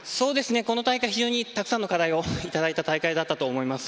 この大会、非常にたくさんの課題をいただいた大会だったと思います。